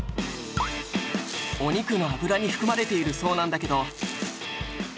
お肉の脂に含まれているそうなんだけど。